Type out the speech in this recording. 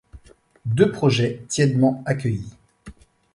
Deux projets tièdement accueillis.